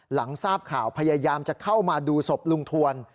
หลังทราบข่าวพยายามจะเข้ามาดูศพลุงทวน